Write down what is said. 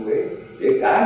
đây là điều rất đáng mừng